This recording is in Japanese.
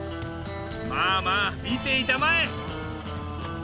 まあまあ見ていたまえ！